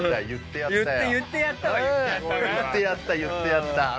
言ってやった言ってやった。